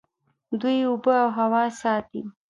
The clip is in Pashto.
دوی اوبه او هوا ساتي.